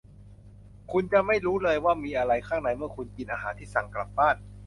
คุณจะไม่รู้เลยว่ามีอะไรข้างในเมื่อคุณกินอาหารที่สั่งกลับบ้าน